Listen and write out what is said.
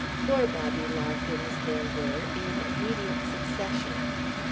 Four Bobby Larkins there were, in immediate succession.